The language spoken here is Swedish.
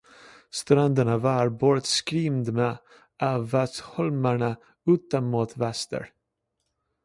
Stränderna var bortskymda av vassholmarna utom mot väster.